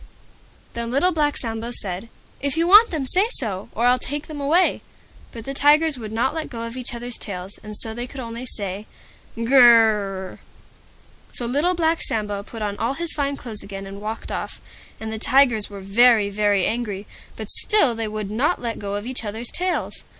Then Little Black Sambo said, "If you want them, say so, or I'll take them away." But the Tigers would not let go of each other's tails, and so they could only say "Gr r r rrrrrr!" So Little Black Sambo put on all his fine clothes again and walked off. And the Tigers were very, very angry, but still they would not let go of each other's tails.